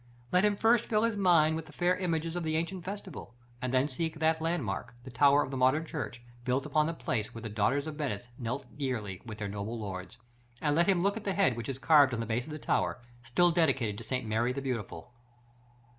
Let him first fill his mind with the fair images of the ancient festival, and then seek that landmark the tower of the modern church, built upon the place where the daughters of Venice knelt yearly with her noblest lords; and let him look at the head that is carved on the base of the tower, still dedicated to St. Mary the Beautiful.